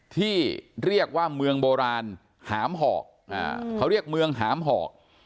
ที่เรียกว่าเมืองโบราณหามหอกเขาเรียกเมืองหามหอก